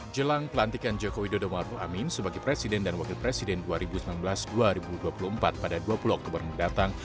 jelang pelantikan joko widodo maruf amin sebagai presiden dan wakil presiden dua ribu sembilan belas dua ribu dua puluh empat pada dua puluh oktober mendatang